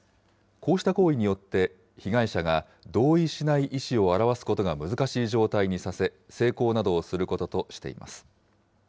こうした行為によって被害者が同意しない意思を表すことが難しい状態にさせ、性交などをすることとしています。